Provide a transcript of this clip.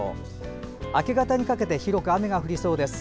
明け方にかけて広く雨が降りそうです。